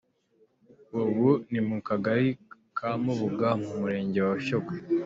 Ubu ni mu kagari ka Mubuga mu Murenge wa Shyogwe.